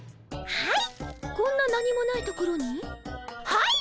はい！